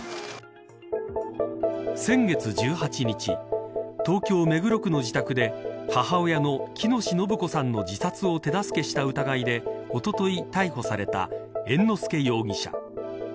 先月１８日東京、目黒区の自宅で母親の喜熨斗延子さんの自殺を手助けした疑いでおととい逮捕された猿之助容疑者。